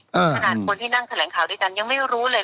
ขนาดคนที่นั่งแถลงข่าวด้วยกันยังไม่รู้เลย